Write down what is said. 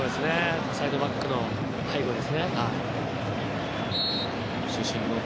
サイドバックの背後ですね。